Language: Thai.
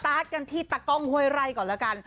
สตาร์ทกันที่ตะกองโฮยไร่ก่อนแล้วกัน